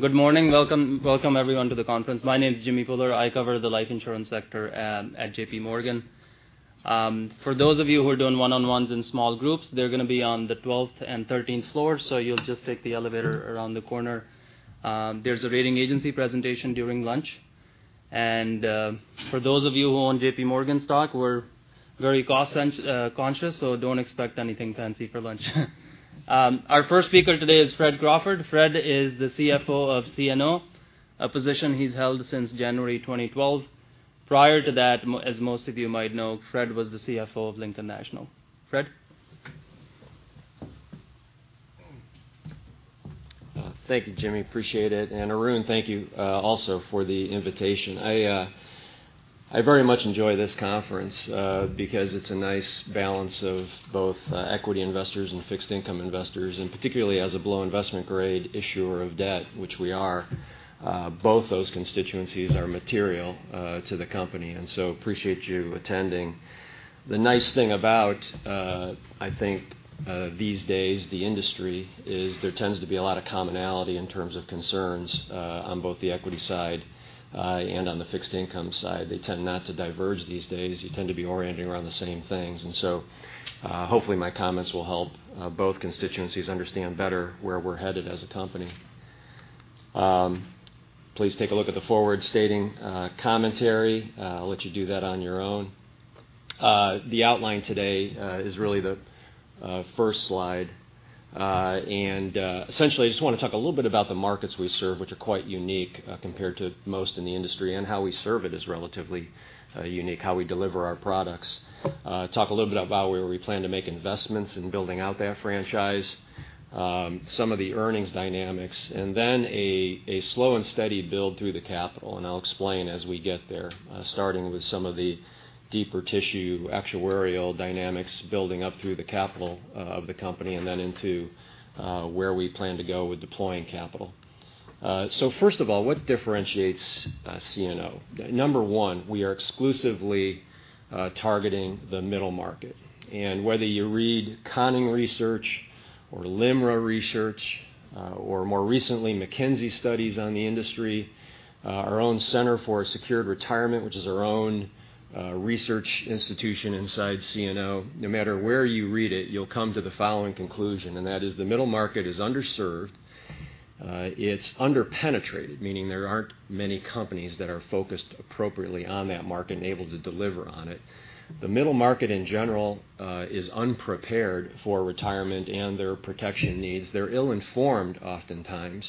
Good morning. Welcome, everyone, to the conference. My name is Jimmy Bhullar. I cover the life insurance sector at JPMorgan. For those of you who are doing one-on-ones in small groups, they're going to be on the 12th and 13th floors, so you'll just take the elevator around the corner. There's a rating agency presentation during lunch. For those of you who own JPMorgan stock, we're very cost-conscious, so don't expect anything fancy for lunch. Our first speaker today is Fred Crawford. Fred is the CFO of CNO, a position he's held since January 2012. Prior to that, as most of you might know, Fred was the CFO of Lincoln National. Fred? Thank you, Jimmy. Appreciate it. Arun, thank you also for the invitation. I very much enjoy this conference because it's a nice balance of both equity investors and fixed income investors, and particularly as a below investment grade issuer of debt, which we are, both those constituencies are material to the company, and so appreciate you attending. The nice thing about these days, the industry, is there tends to be a lot of commonality in terms of concerns on both the equity side and on the fixed income side. They tend not to diverge these days. You tend to be orienting around the same things. Hopefully my comments will help both constituencies understand better where we're headed as a company. Please take a look at the forward-stating commentary. I'll let you do that on your own. The outline today is really the first slide. Essentially, I just want to talk a little bit about the markets we serve, which are quite unique compared to most in the industry, and how we serve it is relatively unique, how we deliver our products. Talk a little bit about where we plan to make investments in building out that franchise. Some of the earnings dynamics. Then a slow and steady build through the capital, and I'll explain as we get there, starting with some of the deeper tissue actuarial dynamics building up through the capital of the company, and then into where we plan to go with deploying capital. First of all, what differentiates CNO? Number one, we are exclusively targeting the middle market. Whether you read Conning Research or LIMRA research, or more recently, McKinsey studies on the industry, our own Center for a Secure Retirement, which is our own research institution inside CNO. No matter where you read it, you'll come to the following conclusion, and that is the middle market is underserved. It's under-penetrated, meaning there aren't many companies that are focused appropriately on that market and able to deliver on it. The middle market in general is unprepared for retirement and their protection needs. They're ill-informed oftentimes,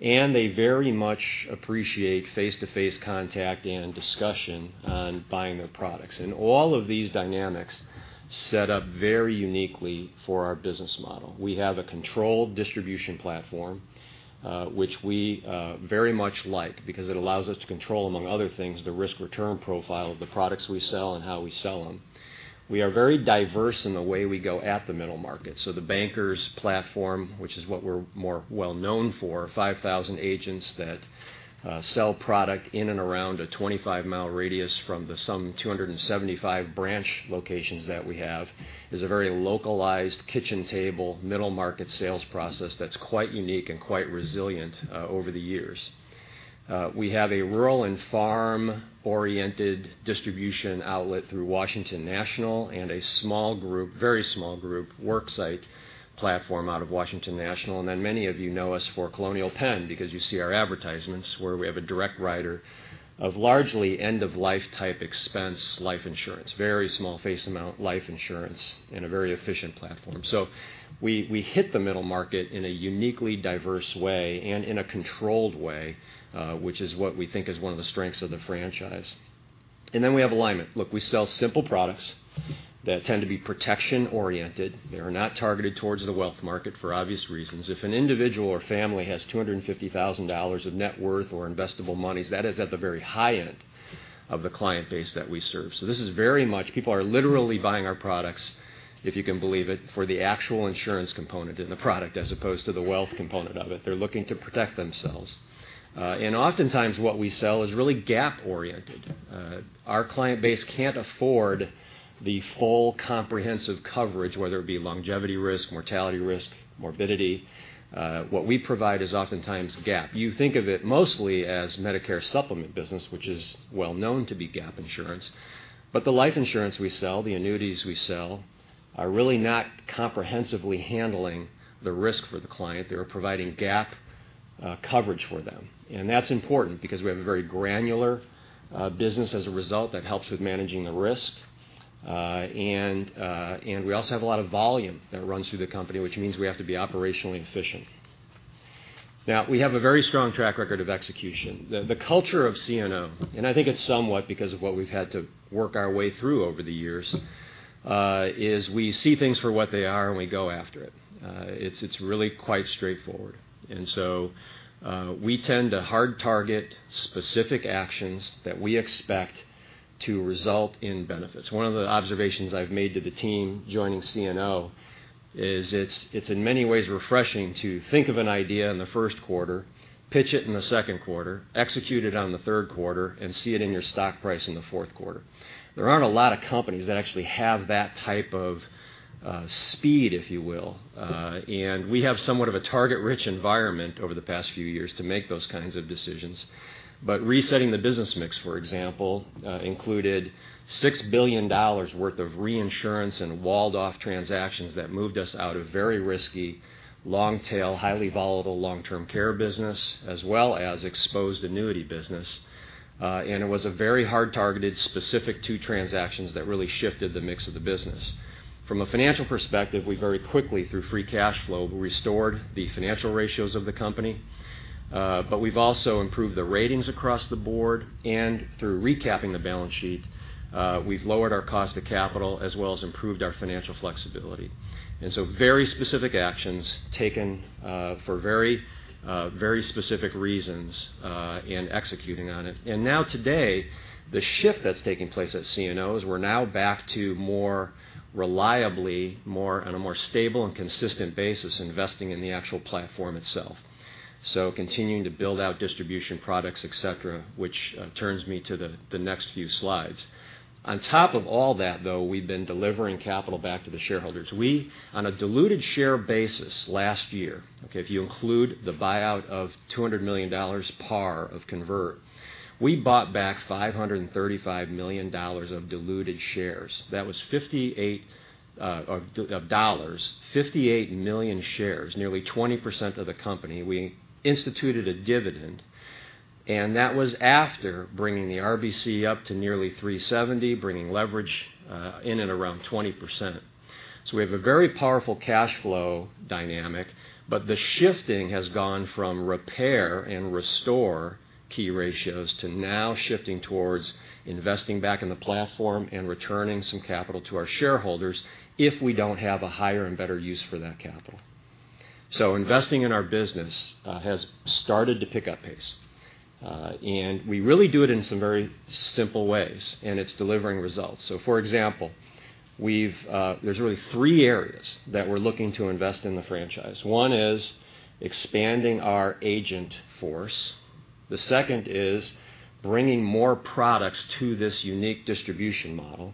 and they very much appreciate face-to-face contact and discussion on buying their products. All of these dynamics set up very uniquely for our business model. We have a controlled distribution platform, which we very much like because it allows us to control, among other things, the risk-return profile of the products we sell and how we sell them. We are very diverse in the way we go at the middle market. The Bankers Life platform, which is what we're more well-known for, 5,000 agents that sell product in and around a 25-mile radius from the some 275 branch locations that we have, is a very localized kitchen table, middle market sales process that's quite unique and quite resilient over the years. We have a rural and farm-oriented distribution outlet through Washington National and a very small group work site platform out of Washington National. Many of you know us for Colonial Penn because you see our advertisements where we have a direct writer of largely end-of-life type expense life insurance. Very small face amount life insurance in a very efficient platform. We hit the middle market in a uniquely diverse way and in a controlled way, which is what we think is one of the strengths of the franchise. We have alignment. Look, we sell simple products that tend to be protection oriented. They are not targeted towards the wealth market for obvious reasons. If an individual or family has $250,000 of net worth or investable monies, that is at the very high end of the client base that we serve. This is very much people are literally buying our products, if you can believe it, for the actual insurance component in the product as opposed to the wealth component of it. They're looking to protect themselves. Oftentimes what we sell is really gap oriented. Our client base can't afford the full comprehensive coverage, whether it be longevity risk, mortality risk, morbidity. What we provide is oftentimes gap. You think of it mostly as Medicare Supplement business, which is well known to be gap insurance. The life insurance we sell, the annuities we sell, are really not comprehensively handling the risk for the client. They are providing gap coverage for them. That's important because we have a very granular business as a result that helps with managing the risk. We also have a lot of volume that runs through the company, which means we have to be operationally efficient. Now, we have a very strong track record of execution. The culture of CNO, and I think it's somewhat because of what we've had to work our way through over the years, is we see things for what they are and we go after it. It's really quite straightforward. We tend to hard target specific actions that we expect to result in benefits. One of the observations I've made to the team joining CNO is it's in many ways refreshing to think of an idea in the first quarter, pitch it in the second quarter, execute it on the third quarter, and see it in your stock price in the fourth quarter. There aren't a lot of companies that actually have that type of speed, if you will. We have somewhat of a target-rich environment over the past few years to make those kinds of decisions. Resetting the business mix, for example, included $6 billion worth of reinsurance and walled-off transactions that moved us out of very risky, long tail, highly volatile long-term care business, as well as exposed annuity business. It was a very hard targeted specific two transactions that really shifted the mix of the business. From a financial perspective, we very quickly, through free cash flow, restored the financial ratios of the company, but we've also improved the ratings across the board. Through recapping the balance sheet, we've lowered our cost of capital as well as improved our financial flexibility. Very specific actions taken for very specific reasons, and executing on it. Now today, the shift that's taking place at CNO is we're now back to more reliably, on a more stable and consistent basis, investing in the actual platform itself. Continuing to build out distribution products, et cetera, which turns me to the next few slides. On top of all that, though, we've been delivering capital back to the shareholders. We, on a diluted share basis last year, okay, if you include the buyout of $200 million par of convert, we bought back $535 million of diluted shares. That was $58 million shares, nearly 20% of the company. We instituted a dividend, and that was after bringing the RBC up to nearly 370, bringing leverage in at around 20%. We have a very powerful cash flow dynamic, but the shifting has gone from repair and restore key ratios to now shifting towards investing back in the platform and returning some capital to our shareholders if we don't have a higher and better use for that capital. Investing in our business has started to pick up pace. We really do it in some very simple ways, and it's delivering results. For example, there's really three areas that we're looking to invest in the franchise. One is expanding our agent force. The second is bringing more products to this unique distribution model.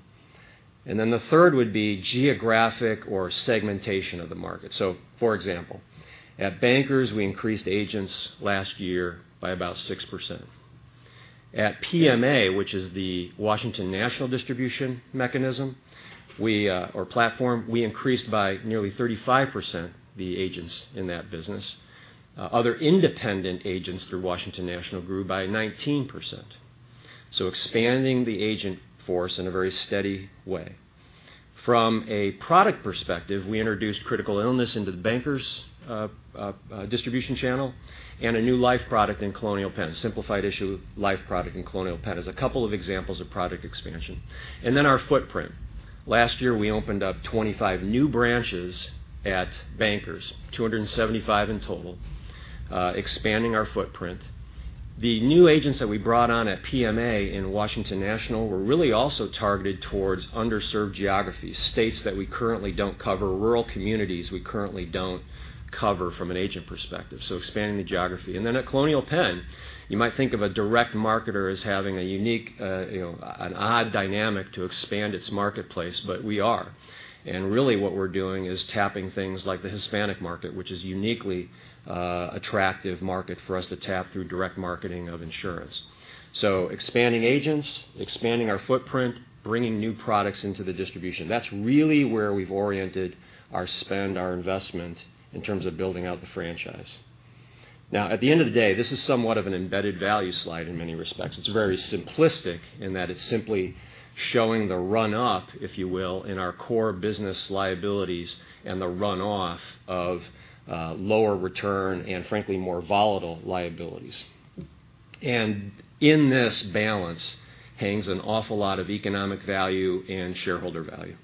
The third would be geographic or segmentation of the market. For example, at Bankers, we increased agents last year by about 6%. At PMA, which is the Washington National distribution mechanism or platform, we increased by nearly 35% the agents in that business. Other independent agents through Washington National grew by 19%. Expanding the agent force in a very steady way. From a product perspective, we introduced critical illness into the Bankers distribution channel and a new life product in Colonial Penn, simplified issue life product in Colonial Penn as a couple of examples of product expansion. Our footprint. Last year, we opened up 25 new branches at Bankers, 275 in total, expanding our footprint. The new agents that we brought on at PMA in Washington National were really also targeted towards underserved geographies, states that we currently don't cover, rural communities we currently don't cover from an agent perspective, expanding the geography. At Colonial Penn, you might think of a direct marketer as having an odd dynamic to expand its marketplace, but we are. Really what we're doing is tapping things like the Hispanic market, which is uniquely attractive market for us to tap through direct marketing of insurance. Expanding agents, expanding our footprint, bringing new products into the distribution, that's really where we've oriented our spend, our investment in terms of building out the franchise. At the end of the day, this is somewhat of an embedded value slide in many respects. It's very simplistic in that it's simply showing the run-up, if you will, in our core business liabilities and the run-off of lower return and frankly, more volatile liabilities. In this balance hangs an awful lot of economic value and shareholder value.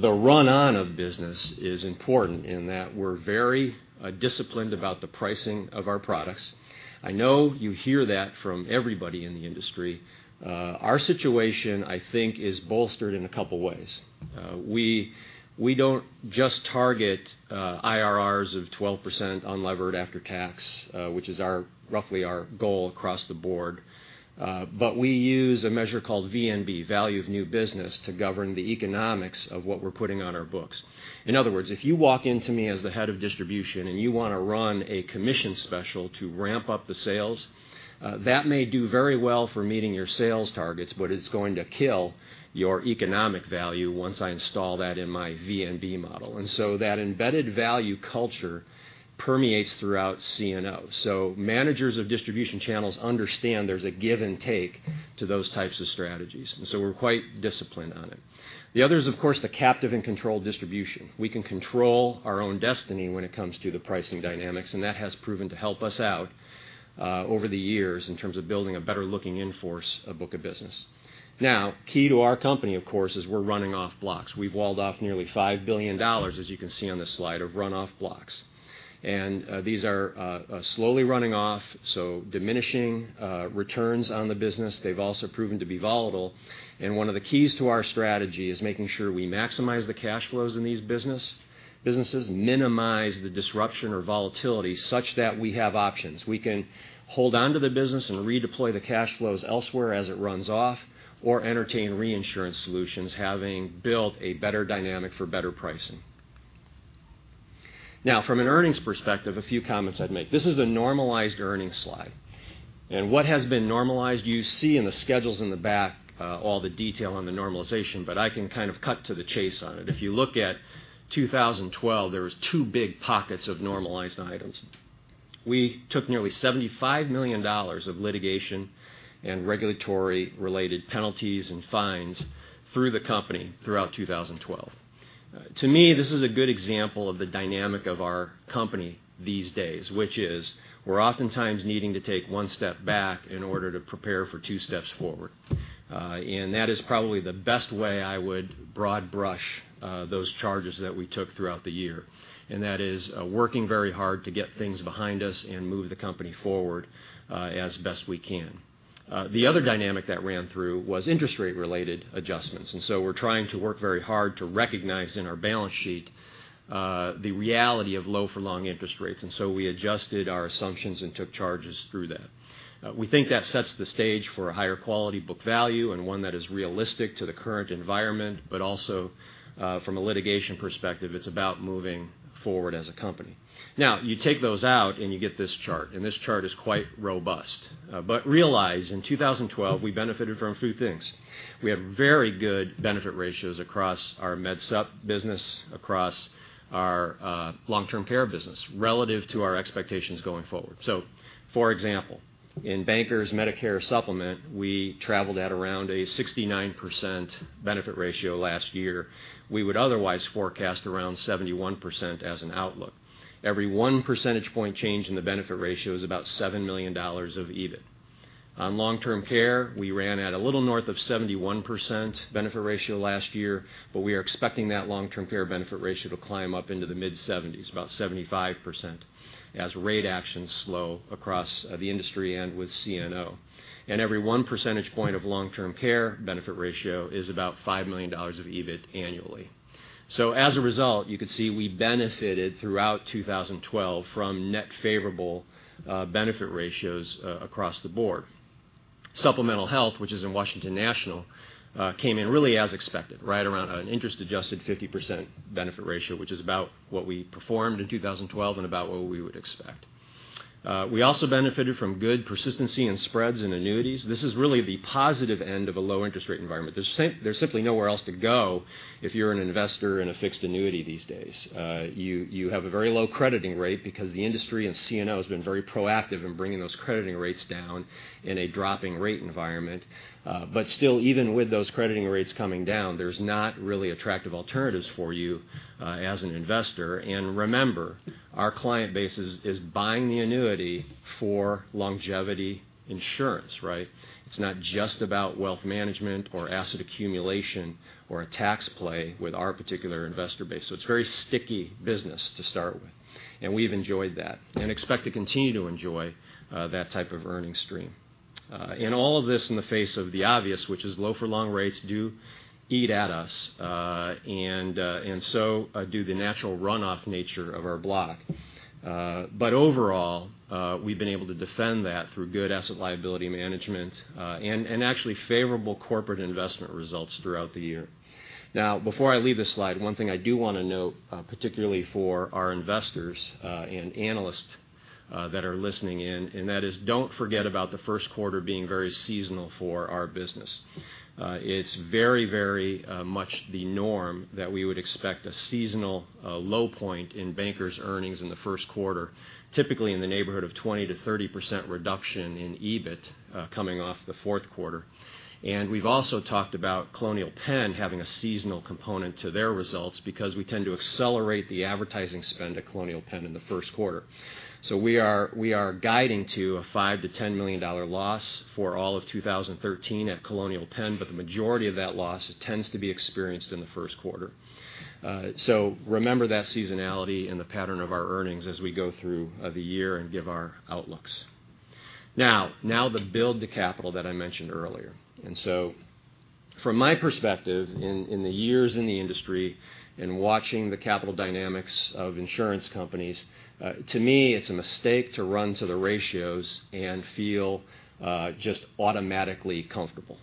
The run-on of business is important in that we're very disciplined about the pricing of our products. I know you hear that from everybody in the industry. Our situation, I think, is bolstered in a couple ways. We don't just target IRRs of 12% unlevered after tax, which is roughly our goal across the board. We use a measure called VNB, value of new business, to govern the economics of what we're putting on our books. In other words, if you walk into me as the head of distribution and you want to run a commission special to ramp up the sales, that may do very well for meeting your sales targets, but it's going to kill your economic value once I install that in my VNB model. That embedded value culture permeates throughout CNO. Managers of distribution channels understand there's a give and take to those types of strategies, and we're quite disciplined on it. The other is, of course, the captive and controlled distribution. We can control our own destiny when it comes to the pricing dynamics, and that has proven to help us out over the years in terms of building a better looking in-force book of business. Key to our company, of course, is we're running off blocks. We've walled off nearly $5 billion, as you can see on this slide, of run-off blocks. These are slowly running off, so diminishing returns on the business. They've also proven to be volatile. One of the keys to our strategy is making sure we maximize the cash flows in these businesses, minimize the disruption or volatility such that we have options. We can hold onto the business and redeploy the cash flows elsewhere as it runs off or entertain reinsurance solutions, having built a better dynamic for better pricing. From an earnings perspective, a few comments I'd make. This is a normalized earnings slide. What has been normalized, you see in the schedules in the back all the detail on the normalization, but I can kind of cut to the chase on it. If you look at 2012, there was two big pockets of normalized items. We took nearly $75 million of litigation and regulatory related penalties and fines through the company throughout 2012. To me, this is a good example of the dynamic of our company these days, which is we're oftentimes needing to take one step back in order to prepare for two steps forward. That is probably the best way I would broad brush those charges that we took throughout the year. That is working very hard to get things behind us and move the company forward, as best we can. The other dynamic that ran through was interest rate related adjustments. We're trying to work very hard to recognize in our balance sheet, the reality of low for long interest rates. We adjusted our assumptions and took charges through that. We think that sets the stage for a higher quality book value and one that is realistic to the current environment. Also, from a litigation perspective, it's about moving forward as a company. You take those out and you get this chart, and this chart is quite robust. Realize in 2012, we benefited from a few things. We have very good benefit ratios across our Med Supp business, across our Long-Term Care business relative to our expectations going forward. For example, in Bankers Life Medicare Supplement, we traveled at around a 69% benefit ratio last year. We would otherwise forecast around 71% as an outlook. Every one percentage point change in the benefit ratio is about $7 million of EBIT. On Long-Term Care, we ran at a little north of 71% benefit ratio last year. We are expecting that Long-Term Care benefit ratio to climb up into the mid-70s, about 75%, as rate actions slow across the industry and with CNO. Every one percentage point of Long-Term Care benefit ratio is about $5 million of EBIT annually. As a result, you could see we benefited throughout 2012 from net favorable benefit ratios across the board. Supplemental Health, which is in Washington National, came in really as expected, right around an interest adjusted 50% benefit ratio, which is about what we performed in 2012 and about what we would expect. We also benefited from good persistency and spreads in annuities. This is really the positive end of a low interest rate environment. There's simply nowhere else to go if you're an investor in a fixed annuity these days. You have a very low crediting rate because the industry and CNO has been very proactive in bringing those crediting rates down in a dropping rate environment. Still, even with those crediting rates coming down, there's not really attractive alternatives for you as an investor. Remember, our client base is buying the annuity for longevity insurance, right? It's not just about wealth management or asset accumulation or a tax play with our particular investor base. It's very sticky business to start with, and we've enjoyed that and expect to continue to enjoy that type of earning stream. All of this in the face of the obvious, which is low for long rates do eat at us, and so do the natural runoff nature of our block. Overall, we've been able to defend that through good asset liability management, and actually favorable corporate investment results throughout the year. Before I leave this slide, one thing I do want to note, particularly for our investors and analysts that are listening in, and that is don't forget about the first quarter being very seasonal for our business. It's very much the norm that we would expect a seasonal low point in Bankers' earnings in the first quarter, typically in the neighborhood of 20%-30% reduction in EBIT, coming off the fourth quarter. We've also talked about Colonial Penn having a seasonal component to their results because we tend to accelerate the advertising spend at Colonial Penn in the first quarter. We are guiding to a $5 million-$10 million loss for all of 2013 at Colonial Penn, the majority of that loss tends to be experienced in the first quarter. Remember that seasonality and the pattern of our earnings as we go through the year and give our outlooks. Now, the build to capital that I mentioned earlier. From my perspective, in the years in the industry and watching the capital dynamics of insurance companies, to me, it's a mistake to run to the ratios and feel just automatically comfortable.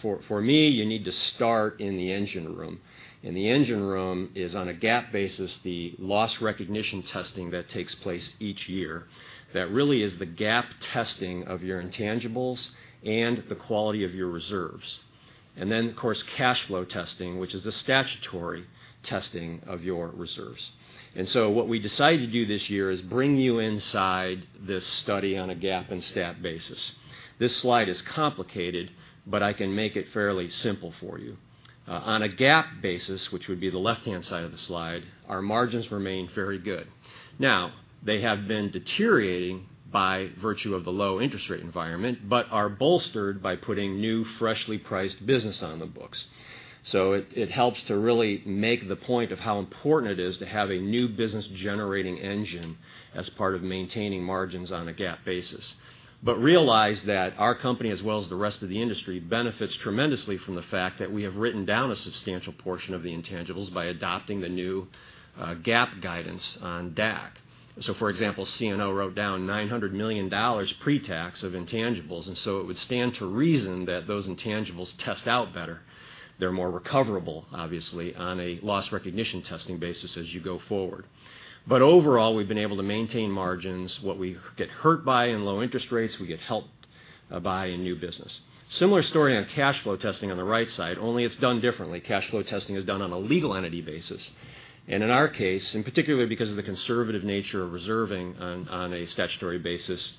For me, you need to start in the engine room. The engine room is on a GAAP basis, the loss recognition testing that takes place each year. That really is the GAAP testing of your intangibles and the quality of your reserves. Of course, cash flow testing, which is the statutory testing of your reserves. What we decided to do this year is bring you inside this study on a GAAP and stat basis. This slide is complicated, I can make it fairly simple for you. On a GAAP basis, which would be the left-hand side of the slide, our margins remain very good. Now, they have been deteriorating by virtue of the low interest rate environment, are bolstered by putting new freshly priced business on the books. It helps to really make the point of how important it is to have a new business generating engine as part of maintaining margins on a GAAP basis. Realize that our company, as well as the rest of the industry, benefits tremendously from the fact that we have written down a substantial portion of the intangibles by adopting the new GAAP guidance on DAC. For example, CNO wrote down $900 million pre-tax of intangibles, it would stand to reason that those intangibles test out better. They're more recoverable, obviously, on a loss recognition testing basis as you go forward. Overall, we've been able to maintain margins. What we get hurt by in low interest rates, we get helped by a new business. Similar story on cash flow testing on the right side, only it's done differently. Cash flow testing is done on a legal entity basis. In our case, and particularly because of the conservative nature of reserving on a statutory basis,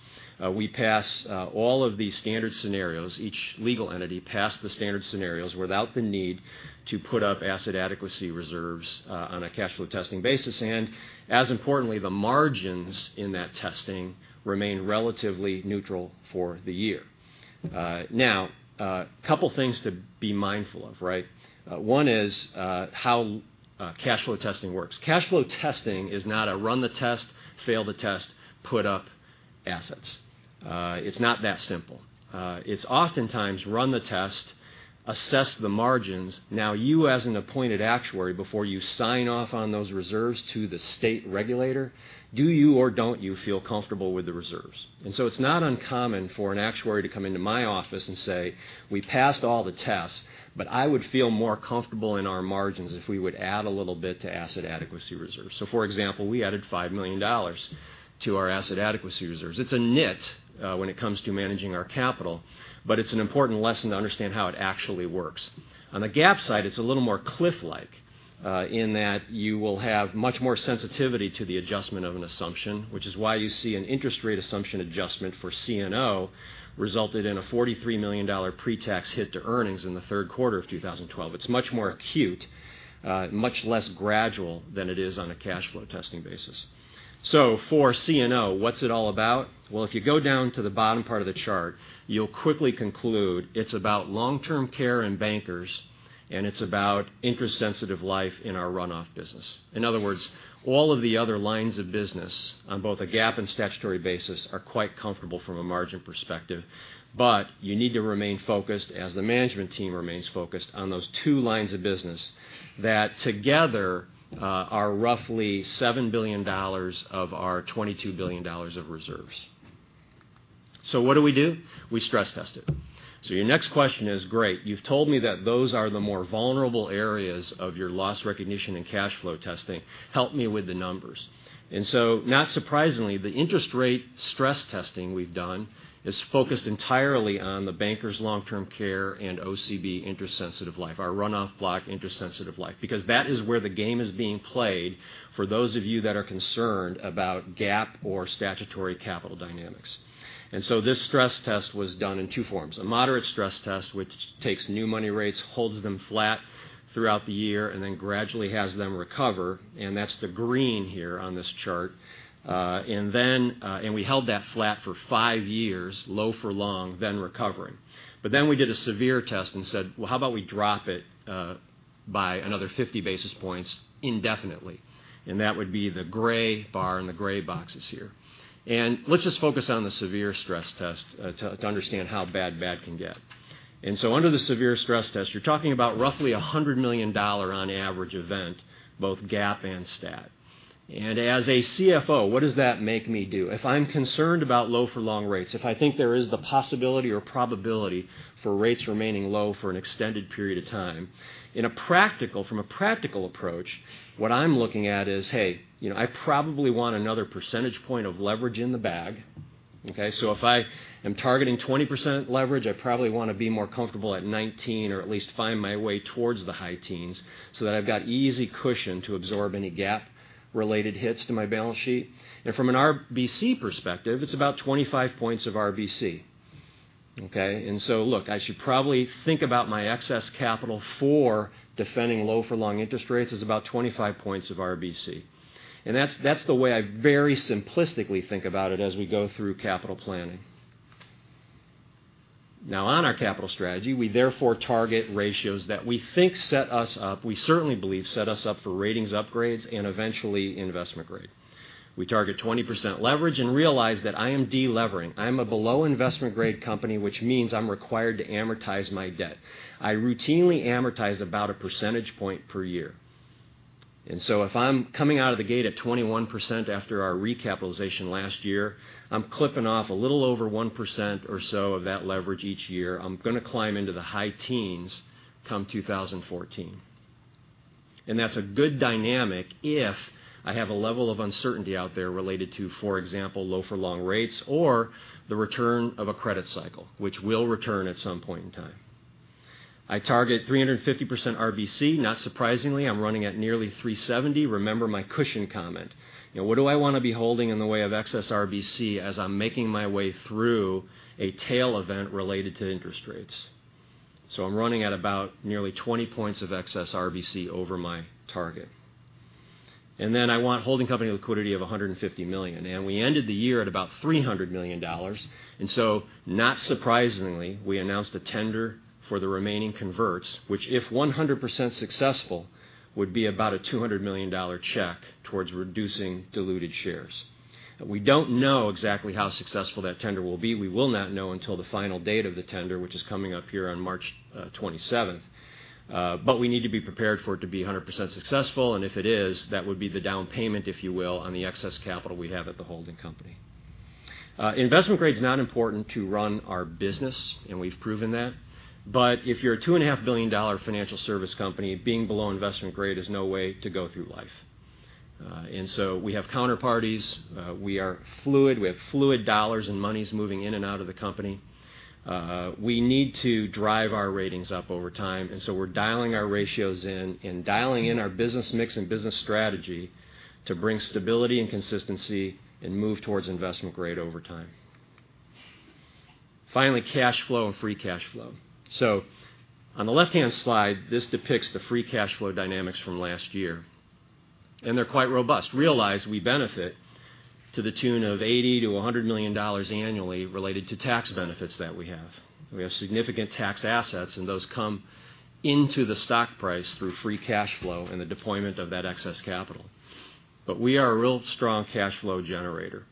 we pass all of these standard scenarios, each legal entity passed the standard scenarios without the need to put up asset adequacy reserves on a cash flow testing basis. As importantly, the margins in that testing remain relatively neutral for the year. Now, couple things to be mindful of. One is how cash flow testing works. Cash flow testing is not a run the test, fail the test, put up assets. It's not that simple. It's oftentimes run the test, assess the margins. Now you as an appointed actuary, before you sign off on those reserves to the state regulator, do you or don't you feel comfortable with the reserves? It's not uncommon for an actuary to come into my office and say, "We passed all the tests, but I would feel more comfortable in our margins if we would add a little bit to asset adequacy reserves." For example, we added $5 million to our asset adequacy reserves. It's a nit when it comes to managing our capital, but it's an important lesson to understand how it actually works. On the GAAP side, it's a little more cliff-like, in that you will have much more sensitivity to the adjustment of an assumption, which is why you see an interest rate assumption adjustment for CNO resulted in a $43 million pre-tax hit to earnings in the third quarter of 2012. It's much more acute, much less gradual than it is on a cash flow testing basis. For CNO, what's it all about? If you go down to the bottom part of the chart, you'll quickly conclude it's about long-term care and Bankers, and it's about interest-sensitive life in our runoff business. In other words, all of the other lines of business, on both a GAAP and statutory basis, are quite comfortable from a margin perspective. You need to remain focused, as the management team remains focused, on those two lines of business that together are roughly $7 billion of our $22 billion of reserves. What do we do? We stress test it. Your next question is great. You've told me that those are the more vulnerable areas of your loss recognition and cash flow testing. Help me with the numbers. Not surprisingly, the interest rate stress testing we've done is focused entirely on the Bankers Long-Term Care and OCB interest sensitive life, our runoff block interest sensitive life, because that is where the game is being played for those of you that are concerned about GAAP or statutory capital dynamics. This stress test was done in two forms, a moderate stress test, which takes new money rates, holds them flat throughout the year, and then gradually has them recover, and that's the green here on this chart. We held that flat for five years, low for long, then recovering. We did a severe test and said, "How about we drop it by another 50 basis points indefinitely?" That would be the gray bar and the gray boxes here. Let's just focus on the severe stress test to understand how bad that can get. Under the severe stress test, you're talking about roughly $100 million on average event, both GAAP and stat. As a CFO, what does that make me do? If I'm concerned about low for long rates, if I think there is the possibility or probability for rates remaining low for an extended period of time, from a practical approach, what I'm looking at is, hey, I probably want another percentage point of leverage in the bag. Okay? If I am targeting 20% leverage, I probably want to be more comfortable at 19 or at least find my way towards the high teens so that I've got easy cushion to absorb any GAAP related hits to my balance sheet. From an RBC perspective, it's about 25 points of RBC. Okay? Look, I should probably think about my excess capital for defending low for long interest rates as about 25 points of RBC. That's the way I very simplistically think about it as we go through capital planning. On our capital strategy, we therefore target ratios that we think set us up, we certainly believe set us up for ratings upgrades and eventually investment grade. We target 20% leverage and realize that I am de-levering. I am a below investment grade company, which means I'm required to amortize my debt. I routinely amortize about a percentage point per year. If I'm coming out of the gate at 21% after our recapitalization last year, I'm clipping off a little over 1% or so of that leverage each year. I'm going to climb into the high teens come 2014. That's a good dynamic if I have a level of uncertainty out there related to, for example, low for long rates or the return of a credit cycle, which will return at some point in time. I target 350% RBC. Not surprisingly, I'm running at nearly 370. Remember my cushion comment. What do I want to be holding in the way of excess RBC as I'm making my way through a tail event related to interest rates? I'm running at about nearly 20 points of excess RBC over my target. I want holding company liquidity of $150 million. We ended the year at about $300 million. Not surprisingly, we announced a tender for the remaining converts, which if 100% successful, would be about a $200 million check towards reducing diluted shares. We don't know exactly how successful that tender will be. We will not know until the final date of the tender, which is coming up here on March 27th. We need to be prepared for it to be 100% successful. If it is, that would be the down payment, if you will, on the excess capital we have at the holding company. Investment grade's not important to run our business, and we've proven that. If you're a $2.5 billion financial service company, being below investment grade is no way to go through life. We have counterparties, we are fluid, we have fluid dollars and monies moving in and out of the company. We need to drive our ratings up over time, we're dialing our ratios in and dialing in our business mix and business strategy to bring stability and consistency and move towards investment grade over time. Finally, cash flow and free cash flow. On the left-hand slide, this depicts the free cash flow dynamics from last year, and they're quite robust. Realize we benefit to the tune of $80 million to $100 million annually related to tax benefits that we have. We have significant tax assets, and those come into the stock price through free cash flow and the deployment of that excess capital. We are a real strong cash flow generator.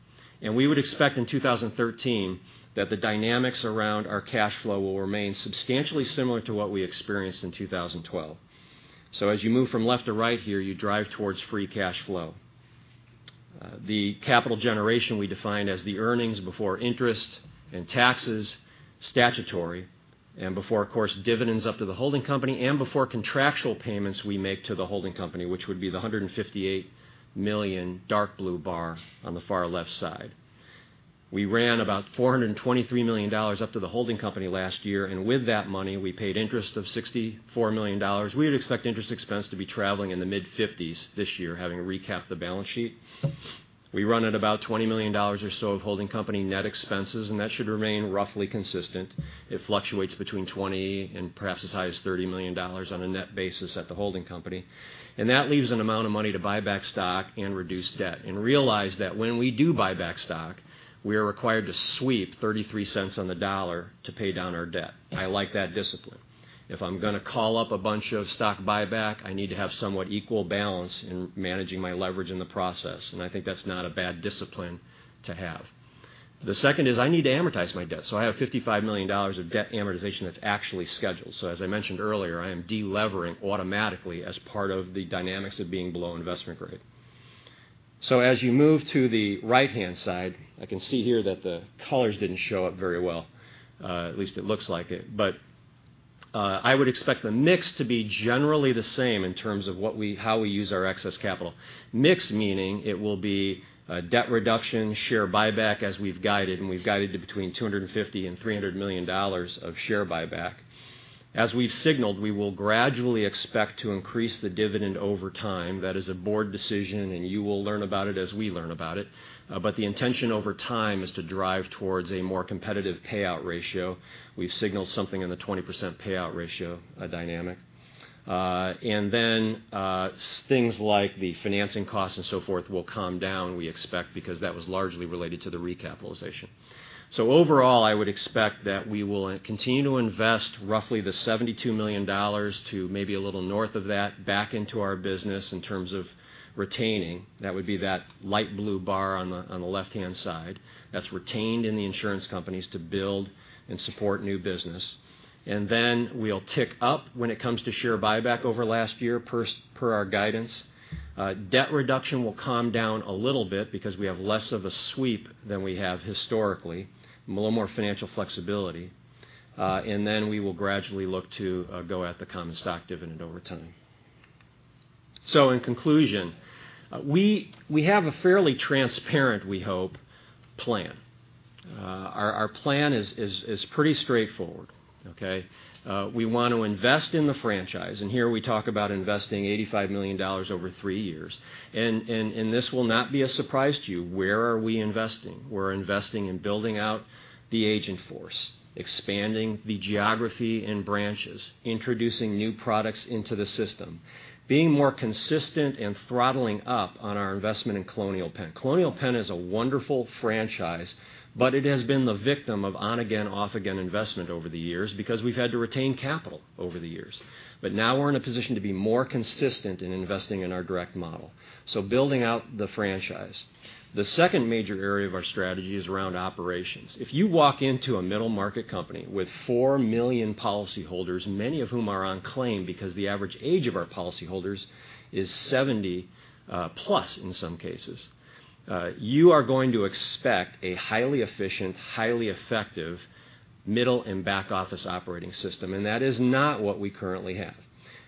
We would expect in 2013 that the dynamics around our cash flow will remain substantially similar to what we experienced in 2012. As you move from left to right here, you drive towards free cash flow. The capital generation we define as the earnings before interest and taxes, statutory, and before, of course, dividends up to the holding company and before contractual payments we make to the holding company, which would be the $158 million dark blue bar on the far left side. We ran about $423 million up to the holding company last year, with that money, we paid interest of $64 million. We would expect interest expense to be traveling in the mid-50s this year, having recapped the balance sheet. We run at about $20 million or so of holding company net expenses, and that should remain roughly consistent. It fluctuates between $20 and perhaps as high as $30 million on a net basis at the holding company. That leaves an amount of money to buy back stock and reduce debt. Realize that when we do buy back stock, we are required to sweep $0.33 on the dollar to pay down our debt. I like that discipline. If I'm going to call up a bunch of stock buyback, I need to have somewhat equal balance in managing my leverage in the process, and I think that's not a bad discipline to have. The second is I need to amortize my debt. I have $55 million of debt amortization that's actually scheduled. As I mentioned earlier, I am de-levering automatically as part of the dynamics of being below investment grade. As you move to the right-hand side, I can see here that the colors didn't show up very well. At least it looks like it. I would expect the mix to be generally the same in terms of how we use our excess capital. Mix meaning it will be debt reduction, share buyback as we've guided, and we've guided to between $250 million-$300 million of share buyback. As we've signaled, we will gradually expect to increase the dividend over time. That is a board decision, and you will learn about it as we learn about it. The intention over time is to drive towards a more competitive payout ratio. We've signaled something in the 20% payout ratio dynamic. Things like the financing cost and so forth will come down, we expect, because that was largely related to the recapitalization. Overall, I would expect that we will continue to invest roughly the $72 million to maybe a little north of that back into our business in terms of retaining. That would be that light blue bar on the left-hand side. That's retained in the insurance companies to build and support new business. We'll tick up when it comes to share buyback over last year, per our guidance. Debt reduction will come down a little bit because we have less of a sweep than we have historically, a little more financial flexibility. We will gradually look to go at the common stock dividend over time. In conclusion, we have a fairly transparent, we hope, plan. Our plan is pretty straightforward. Okay? We want to invest in the franchise, and here we talk about investing $85 million over three years. This will not be a surprise to you. Where are we investing? We're investing in building out the agent force, expanding the geography and branches, introducing new products into the system, being more consistent and throttling up on our investment in Colonial Penn. Colonial Penn is a wonderful franchise, but it has been the victim of on-again, off-again investment over the years because we've had to retain capital over the years. Now we're in a position to be more consistent in investing in our direct model. Building out the franchise. The second major area of our strategy is around operations. If you walk into a middle-market company with 4 million policyholders, many of whom are on claim because the average age of our policyholders is 70+ in some cases, you are going to expect a highly efficient, highly effective middle and back-office operating system. That is not what we currently have.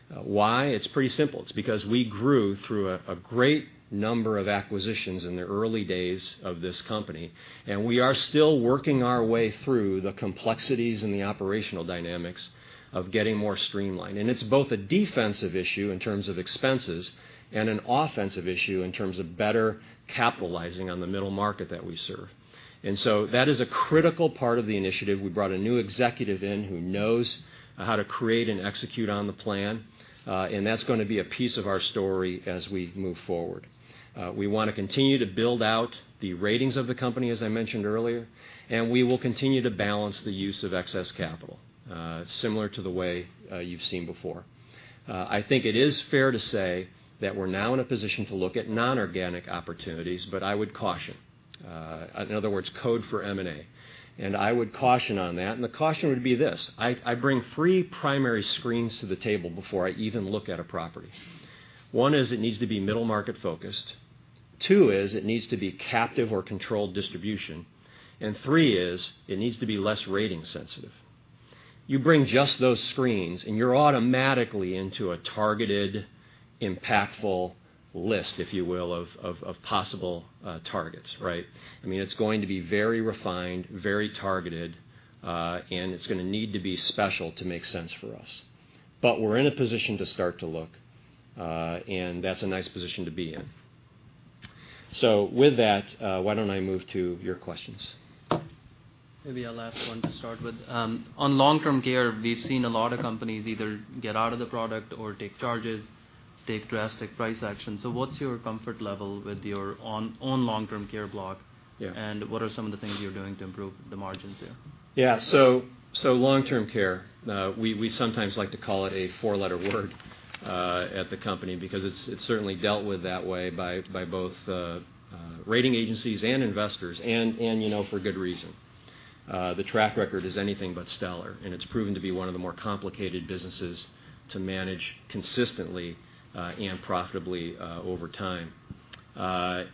Why? It's pretty simple. It's because we grew through a great number of acquisitions in the early days of this company, we are still working our way through the complexities and the operational dynamics of getting more streamlined. It's both a defensive issue in terms of expenses and an offensive issue in terms of better capitalizing on the middle market that we serve. That is a critical part of the initiative. We brought a new executive in who knows how to create and execute on the plan. That's going to be a piece of our story as we move forward. We want to continue to build out the ratings of the company, as I mentioned earlier, we will continue to balance the use of excess capital similar to the way you've seen before. I think it is fair to say that we're now in a position to look at non-organic opportunities, I would caution. In other words, code for M&A. I would caution on that, and the caution would be this. I bring 3 primary screens to the table before I even look at a property. 1 is it needs to be middle market focused. 2 is it needs to be captive or controlled distribution. 3 is it needs to be less rating sensitive. You bring just those screens, you're automatically into a targeted, impactful list, if you will, of possible targets, right? It's going to be very refined, very targeted, it's going to need to be special to make sense for us. We're in a position to start to look, that's a nice position to be in. With that, why don't I move to your questions? Maybe I'll ask one to start with. On long-term care, we've seen a lot of companies either get out of the product or take charges, take drastic price actions. What's your comfort level with your own long-term care block? Yeah. What are some of the things you're doing to improve the margins there? Long-term care. We sometimes like to call it a four-letter word at the company because it's certainly dealt with that way by both rating agencies and investors, and for good reason. The track record is anything but stellar, and it's proven to be one of the more complicated businesses to manage consistently and profitably over time. A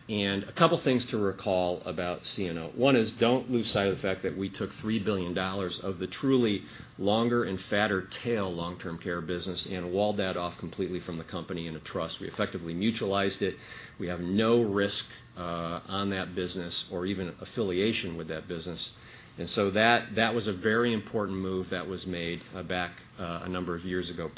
couple things to recall about CNO. One is don't lose sight of the fact that we took $3 billion of the truly longer and fatter tail long-term care business and walled that off completely from the company in a trust. We effectively mutualized it. We have no risk on that business or even affiliation with that business. That was a very important move that was made back a number of years ago,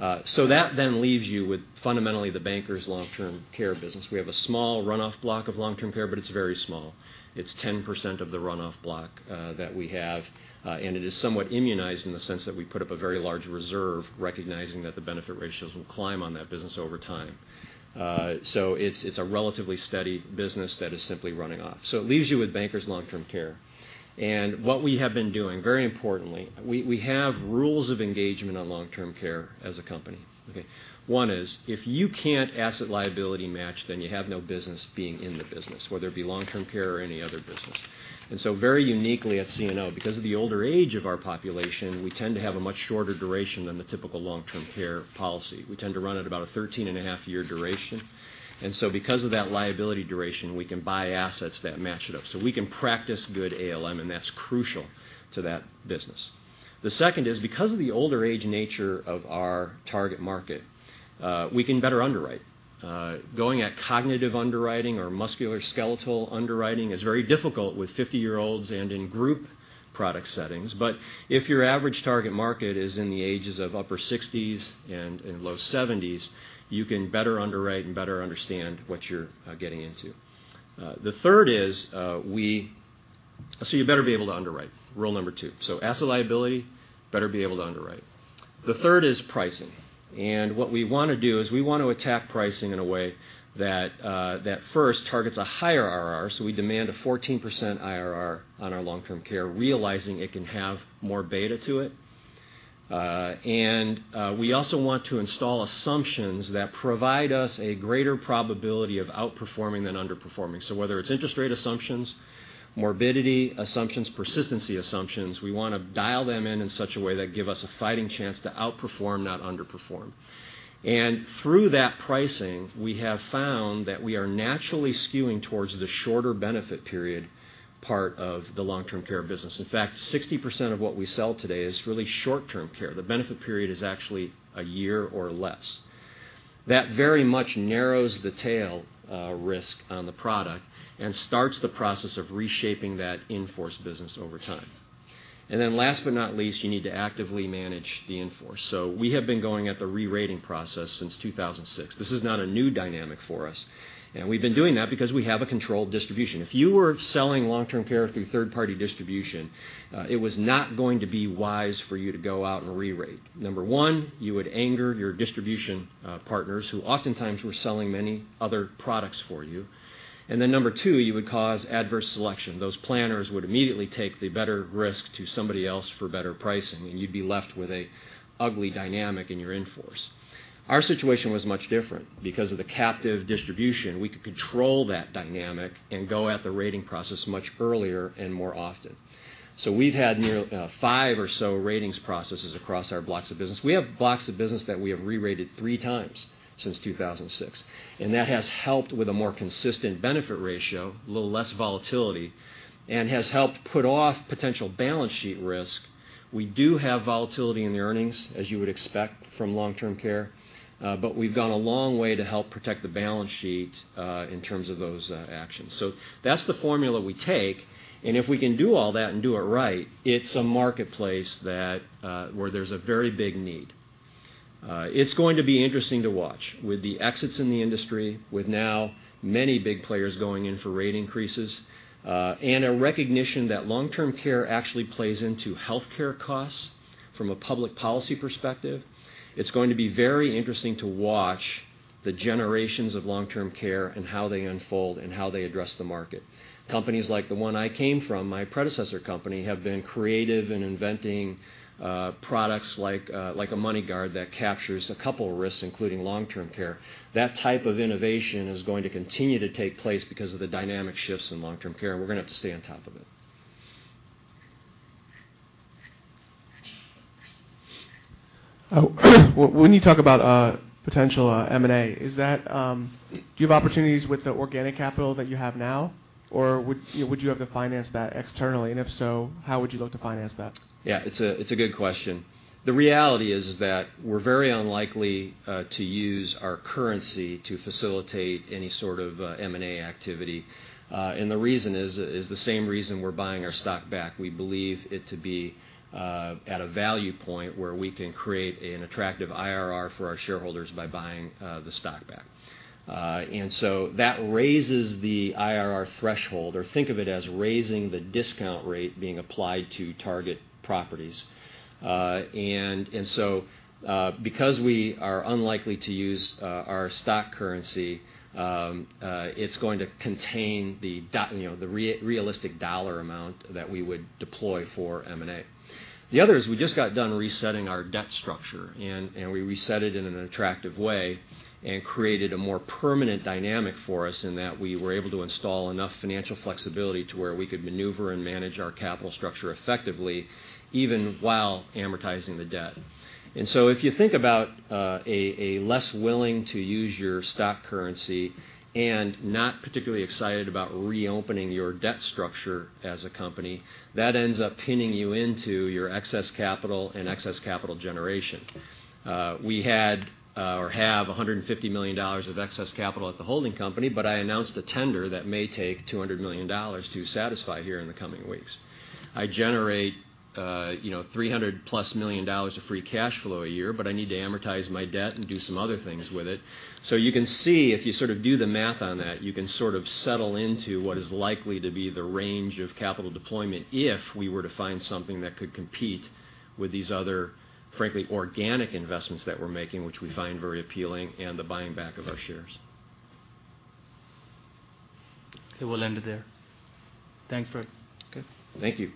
pre-crisis. That then leaves you with fundamentally the Bankers Long Term Care business. We have a small runoff block of long-term care, but it's very small. It's 10% of the runoff block that we have, and it is somewhat immunized in the sense that we put up a very large reserve recognizing that the benefit ratios will climb on that business over time. It's a relatively steady business that is simply running off. It leaves you with Bankers Long Term Care. What we have been doing, very importantly, we have rules of engagement on long-term care as a company. Okay? One is, if you can't asset-liability match, then you have no business being in the business, whether it be long-term care or any other business. Very uniquely at CNO, because of the older age of our population, we tend to have a much shorter duration than the typical long-term care policy. We tend to run at about a 13.5-year duration. Because of that liability duration, we can buy assets that match it up. We can practice good ALM, and that's crucial to that business. The second is because of the older age nature of our target market, we can better underwrite. Going at cognitive underwriting or musculoskeletal underwriting is very difficult with 50-year-olds and in group product settings. If your average target market is in the ages of upper 60s and low 70s, you can better underwrite and better understand what you're getting into. You better be able to underwrite, rule number 2. Asset liability, better be able to underwrite. The third is pricing. What we want to do is we want to attack pricing in a way that first targets a higher IRR. We demand a 14% IRR on our long-term care, realizing it can have more beta to it. We also want to install assumptions that provide us a greater probability of outperforming than underperforming. Whether it's interest rate assumptions, morbidity assumptions, persistency assumptions, we want to dial them in in such a way that give us a fighting chance to outperform, not underperform. Through that pricing, we have found that we are naturally skewing towards the shorter benefit period part of the long-term care business. In fact, 60% of what we sell today is really short-term care. The benefit period is actually a year or less. That very much narrows the tail risk on the product and starts the process of reshaping that in-force business over time. Last but not least, you need to actively manage the in-force. We have been going at the re-rating process since 2006. This is not a new dynamic for us, and we've been doing that because we have a controlled distribution. If you were selling long-term care through third-party distribution, it was not going to be wise for you to go out and re-rate. Number 1, you would anger your distribution partners who oftentimes were selling many other products for you. Number 2, you would cause adverse selection. Those planners would immediately take the better risk to somebody else for better pricing, and you'd be left with a ugly dynamic in your in-force. Our situation was much different. Because of the captive distribution, we could control that dynamic and go at the rating process much earlier and more often. We've had five or so ratings processes across our blocks of business. We have blocks of business that we have re-rated three times since 2006, and that has helped with a more consistent benefit ratio, a little less volatility, and has helped put off potential balance sheet risk. We do have volatility in the earnings, as you would expect from long-term care, but we've gone a long way to help protect the balance sheet in terms of those actions. That's the formula we take. If we can do all that and do it right, it's a marketplace where there's a very big need. It's going to be interesting to watch with the exits in the industry, with now many big players going in for rate increases, and a recognition that long-term care actually plays into healthcare costs from a public policy perspective. It's going to be very interesting to watch the generations of long-term care and how they unfold and how they address the market. Companies like the one I came from, my predecessor company, have been creative in inventing products like a MoneyGuard that captures a couple of risks, including long-term care. That type of innovation is going to continue to take place because of the dynamic shifts in long-term care, and we're going to have to stay on top of it. When you talk about potential M&A, do you have opportunities with the organic capital that you have now or would you have to finance that externally? If so, how would you look to finance that? Yeah, it's a good question. The reality is that we're very unlikely to use our currency to facilitate any sort of M&A activity. The reason is the same reason we're buying our stock back. We believe it to be at a value point where we can create an attractive IRR for our shareholders by buying the stock back. That raises the IRR threshold, or think of it as raising the discount rate being applied to target properties. Because we are unlikely to use our stock currency, it's going to contain the realistic dollar amount that we would deploy for M&A. The other is we just got done resetting our debt structure, and we reset it in an attractive way and created a more permanent dynamic for us in that we were able to install enough financial flexibility to where we could maneuver and manage our capital structure effectively, even while amortizing the debt. If you think about a less willing to use your stock currency and not particularly excited about reopening your debt structure as a company, that ends up pinning you into your excess capital and excess capital generation. We had or have $150 million of excess capital at the holding company, but I announced a tender that may take $200 million to satisfy here in the coming weeks. I generate $300-plus million of free cash flow a year, but I need to amortize my debt and do some other things with it. You can see, if you do the math on that, you can sort of settle into what is likely to be the range of capital deployment if we were to find something that could compete with these other, frankly, organic investments that we're making, which we find very appealing, and the buying back of our shares. We'll end it there. Thanks, Fred. Good. Thank you.